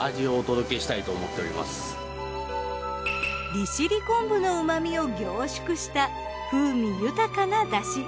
利尻昆布の旨みを凝縮した風味豊かな出汁。